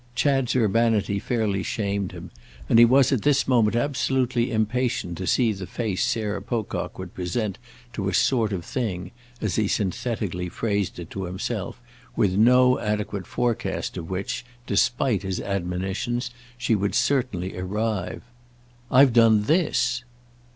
Chad's urbanity fairly shamed him, and he was at this moment absolutely impatient to see the face Sarah Pocock would present to a sort of thing, as he synthetically phrased it to himself, with no adequate forecast of which, despite his admonitions, she would certainly arrive. "I've done _this!